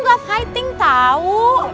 gak fighting tau